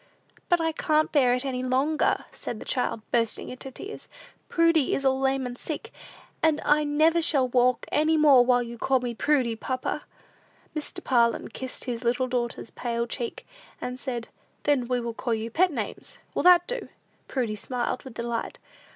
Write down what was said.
"But I can't bear it any longer," said the child, bursting into tears. "Prudy is all lame and sick, and I never shall walk any more while you call me Prudy, papa." Mr. Parlin kissed his little daughters's pale cheek, and said, "Then we will call you pet names; will that do?" Prudy smiled with delight.